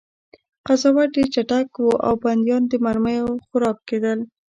قضاوت ډېر چټک و او بندیان د مرمیو خوراک کېدل